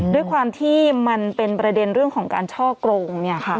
ด้วยความที่มันเป็นประเด็นเรื่องของการช่อกง